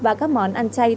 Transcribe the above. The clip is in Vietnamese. đã đạt được một năng lượng